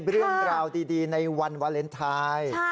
เรื่องราวดีในวันวาเลนไทย